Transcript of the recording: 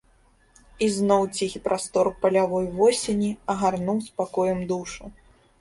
І зноў ціхі прастор палявой восені агарнуў спакоем душу.